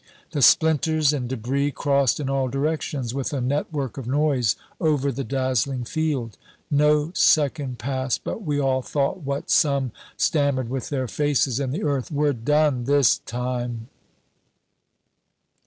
The splinters and debris crossed in all directions with a network of noise over the dazzling field. No second passed but we all thought what some stammered with their faces in the earth, "We're done, this time!"